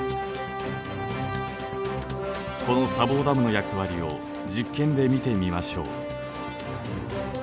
この砂防ダムの役割を実験で見てみましょう。